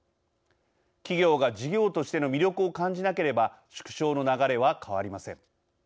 企業が事業としての魅力を感じなければ縮小の流れは変わりません。